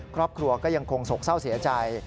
ครอบครัวก็ยังคงโศกเศร้าเสียใจ